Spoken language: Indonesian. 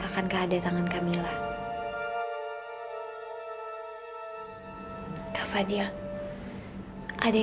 kak fadil gak sadar